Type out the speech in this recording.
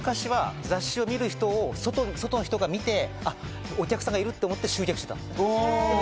雑誌を見る人を外から見て、お客さんがいると思って集客していた。